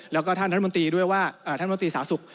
แล้วก็ท่านมนตรีสาธุสุข